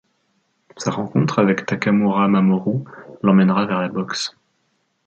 Sa rencontre avec Takamura Mamoru l'emmènera vers la boxe.